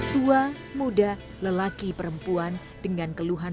tua muda lelaki perempuan dengan keluhan